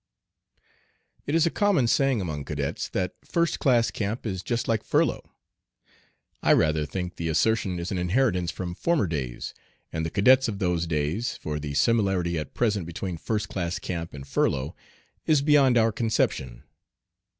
IT is a common saying among cadets that "first class camp is just like furlough." I rather think the assertion is an inheritance from former days and the cadets of those days, for the similarity at present between first class camp and furlough is beyond our conception.